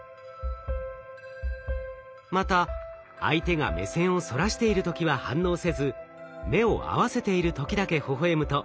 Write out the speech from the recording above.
また相手が目線をそらしている時は反応せず目を合わせている時だけほほえむと社会性が高いと判断されます。